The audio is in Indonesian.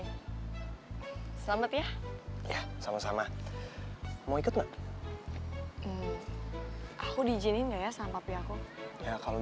hai selamat ya sama sama mau ikut aku diijinin ya sama papi aku ya kalau